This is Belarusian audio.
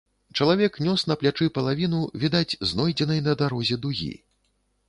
Чалавек нёс на плячы палавіну, відаць, знойдзенай на дарозе дугі.